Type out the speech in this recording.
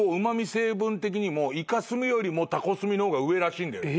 成分的にもイカ墨よりもタコ墨の方が上らしいんだよね。